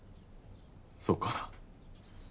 そっか。